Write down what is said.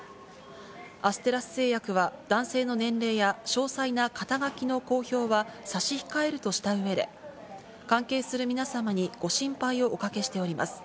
アステラス製薬は男性の年齢や詳細な肩書きの公表は差し控えるとした上で、関係する皆様にご心配をおかけしております。